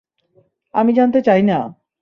আমি জানতে চাই না!